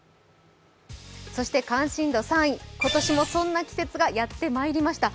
そして関心度３位、今年もそんな季節がやってまいりました。